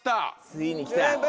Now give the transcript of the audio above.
ついにきた。